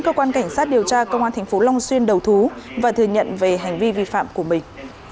cơ quan cảnh sát điều tra công an tp long xuyên đầu thú và thừa nhận về hành vi vi phạm của mình